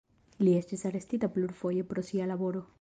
Li estis arestita plurfoje pro sia laboro.